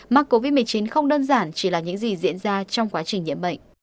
mắc covid một mươi chín không đơn giản chỉ là những gì diễn ra trong quá trình nhiễm bệnh